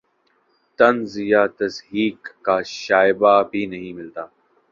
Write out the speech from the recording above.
طنز یا تضحیک کا شائبہ بھی نہیں ملتا